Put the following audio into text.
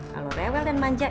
kalau rewel dan manja